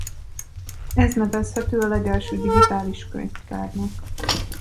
Ez nevezhető a legelső digitális könyvtárnak.